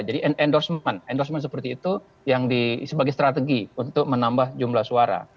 jadi endorsement seperti itu yang sebagai strategi untuk menambah jumlah suara